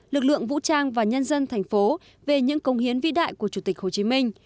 lực lượng vũ trang và nhân dân thành phố về những công hiến vĩ đại của chủ tịch hồ chí minh